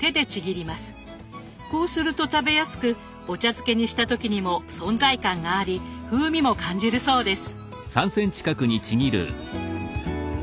こうすると食べやすくお茶漬けにした時にも存在感があり風味も感じるそうです。